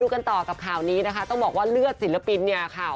กันต่อกับข่าวนี้นะคะต้องบอกว่าเลือดศิลปินเนี่ยค่ะ